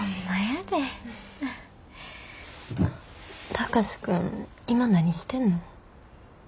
貴司君今何してんの？